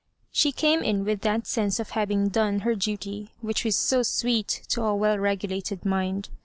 She came In with that sense of having done her duty which is so sweet to a well regulated mind.